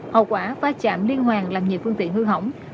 hậu quả pha chạm liên hoàn làm nhiều phương tiện hư hỏng